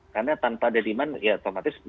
karena tanpa ada demand ya otomatis